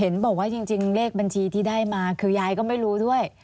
บอกว่าจริงเลขบัญชีที่ได้มาคือยายก็ไม่รู้ด้วย